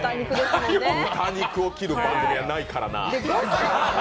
豚肉を切る番組はないからな。